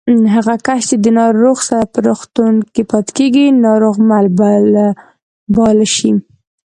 هغه کس چې د ناروغ سره په روغتون کې پاتې کېږي ناروغمل باله شي